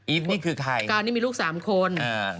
อีฟนี่คือใครกานนี้มีลูก๓คน